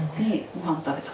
ご飯食べた。